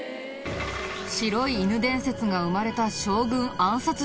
白い犬伝説が生まれた将軍暗殺事件。